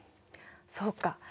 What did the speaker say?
そうか。